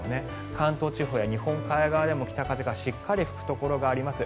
関東地方や日本海側でも北風がしっかりと吹くところがあります。